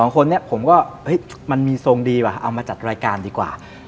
คนนี้ผมก็เฮ้ยมันมีทรงดีว่ะเอามาจัดรายการดีกว่า